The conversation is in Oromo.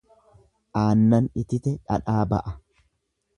Aannan itite dhadhaa ba'a.